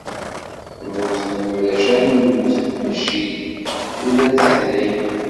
Lluẓen warrac armi mmuten, maca ula d tiḥdayin.